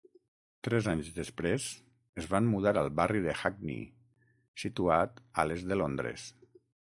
Tres anys després, es van mudar al barri de Hackney, situat a l'est de Londres.